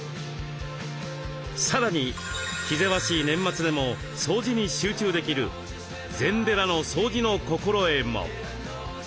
さらに気ぜわしい年末でも掃除に集中できる禅寺の掃除の心得も。